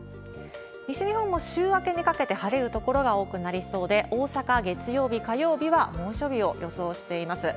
西日本も週明けにかけて晴れる所が多くなりそうで、大阪、月曜日、火曜日は猛暑日を予想しています。